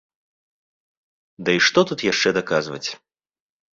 Ды і што тут яшчэ даказваць?